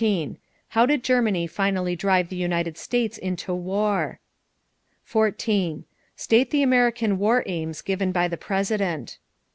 How did Germany finally drive the United States into war? 14. State the American war aims given by the President.